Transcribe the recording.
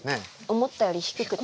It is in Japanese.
思ったより低くて。